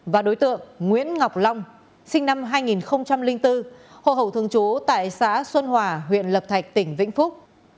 và đối tượng nguyễn ngọc long sinh năm hai nghìn bốn hồ hậu thường trú tại xã xuân hòa huyện lập thạch tỉnh vĩnh phúc